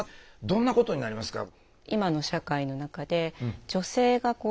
どんなことになりますか？